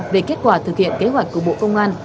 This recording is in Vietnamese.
về kết quả thực hiện kế hoạch của bộ công an